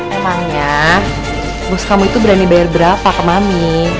emangnya bos kamu itu berani bayar berapa ke mami